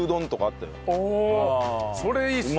おおそれいいっすね。